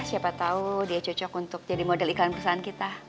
siapa tahu dia cocok untuk jadi model iklan perusahaan kita